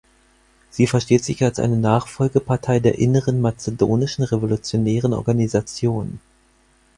Sie versteht sich als eine Nachfolgepartei der Inneren Mazedonischen Revolutionären Organisation.